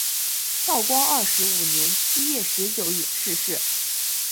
道光二十五年七月十九日逝世。